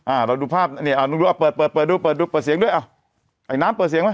อ่าเอาเปิดสีงด้วยไอน้ำเปิดเสียงไม่